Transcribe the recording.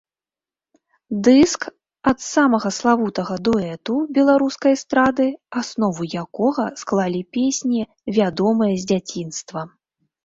Дыск ад самага славутага дуэту беларускай эстрады, аснову якога склалі песні, вядомыя з дзяцінства.